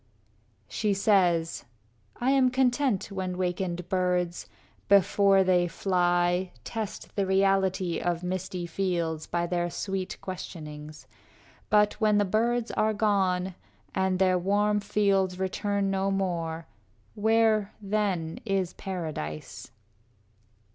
IV She says, "I am content when wakened birds, Before they fly, test the reality Of misty fields, by their sweet questionings; But when the birds are gone, and their warm fields Return no more, where, then, is paradise?"